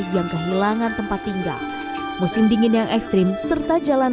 yang kehilangan tempat tinggal musim dingin yang ekstrim serta jalan